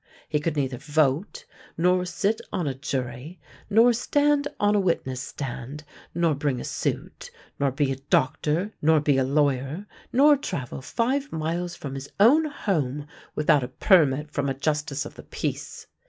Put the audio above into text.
He could neither vote, nor sit on a jury, nor stand on a witness stand, nor bring a suit, nor be a doctor, nor be a lawyer, nor travel five miles from his own home without a permit from a justice of the peace.